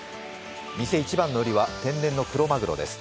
店一番の売りは天然のクロマグロです。